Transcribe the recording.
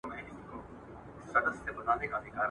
اشنایان په اختر ګوره ښکلي ښکلي